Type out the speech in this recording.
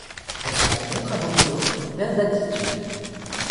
Elle se rencontre à Boconó vers d'altitude.